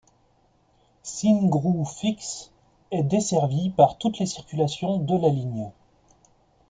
Syngroú-Fix est desservie par toutes les circulations de la ligne.